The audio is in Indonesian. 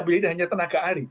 biar ini hanya tenaga ahli